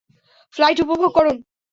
Flight উপভোগ করুন।